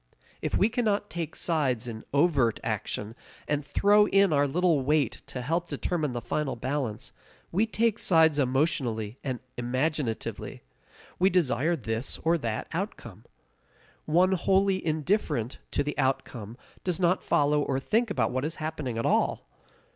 If we cannot take sides in overt action, and throw in our little weight to help determine the final balance, we take sides emotionally and imaginatively. We desire this or that outcome. One wholly indifferent to the outcome does not follow or think about what is happening at all.